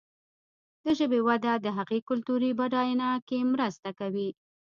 د ژبې وده د هغې د کلتوري بډاینه کې مرسته کوي.